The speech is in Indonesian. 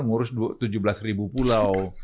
ngurus tujuh belas ribu pulau